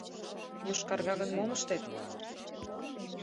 - Йошкарга гын, мом ыштет?